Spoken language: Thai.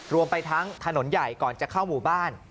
รวมไปทั้งถนนใหญ่ก่อนจะเข้าหมู่บ้าน